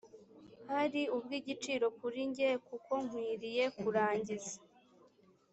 ari ubw igiciro kuri jye kuko nkwiriye kurangiza